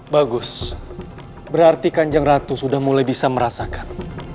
bagus berarti kanjeng ratu sudah mulai bisa merasakan